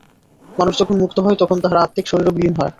মানুষ যখন মুক্ত হয়, তখন তাহার আত্মিক শরীরও বিলীন হয়।